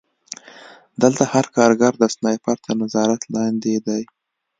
دلته هر کارګر د سنایپر تر نظارت لاندې دی